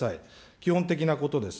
基本的なことです。